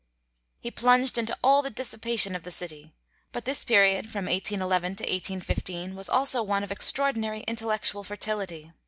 He plunged into all the dissipation of the city. But this period from 1811 to 1815 was also one of extraordinary intellectual fertility.